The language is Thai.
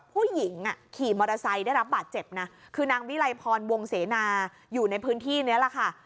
ผู้หญิงขี่มอเตอร์ไซค์ได้รับบาดเจ็บนะคือนางวิไลพรวงเสนาอยู่ในพื้นที่นี้แหละค่ะ